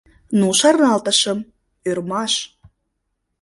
Но шарналтышым — ӧрмаш: